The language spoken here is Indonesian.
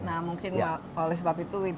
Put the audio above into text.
nah mungkin oleh sebab itu